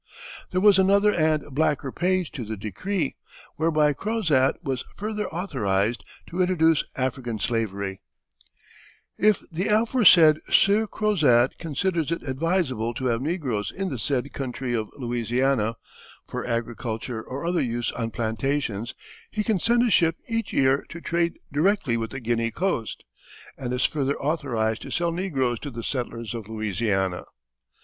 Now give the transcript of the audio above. There was another and blacker page to the decree, whereby Crozat was further authorized to introduce African slavery: "If the aforesaid Sieur Crozat considers it advisable to have negroes in the said country of Louisiana, for agriculture or other use on plantations, he can send a ship each year to trade directly with the Guinea coast, ... and is further authorized to sell negroes to the settlers of Louisiana."